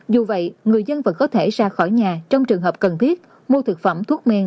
dù vậy người dân vẫn có thể ra khỏi nhà trong trường hợp cần thiết mua thực phẩm thuốc men